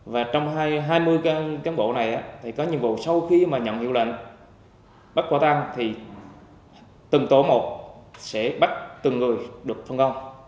và trong hai mươi cán bộ này thì có nhiệm vụ sau khi mà nhận hiệu lệnh bắt quả tăng thì từng tổ một sẽ bắt từng người được phân công